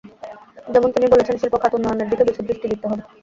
যেমন তিনি বলেছেন, শিল্প খাত উন্নয়নের দিকে বেশি দৃষ্টি দিতে হবে।